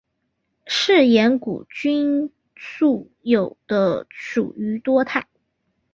嗜盐古菌素有的属于多肽。